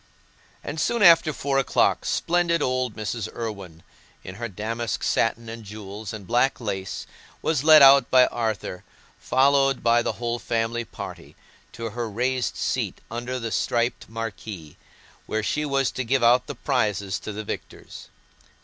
And soon after four o'clock, splendid old Mrs. Irwine, in her damask satin and jewels and black lace, was led out by Arthur, followed by the whole family party, to her raised seat under the striped marquee, where she was to give out the prizes to the victors.